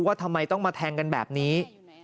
ว่าทำไมต้องมาแทงกันแบบนี้